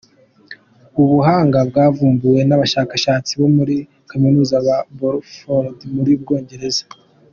Ubu buhanga bwavumbuwe n’abashakashatsi bo muri Kaminuza ya Bradford mu Bwongereza.